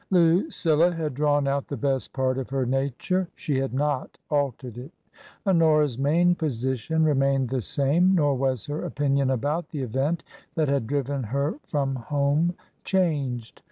Lucilla had drawn out the best part of her nature; she had not altered it. Honora's main position remained the same, nor was her opinion about the event that had driven her from home changed.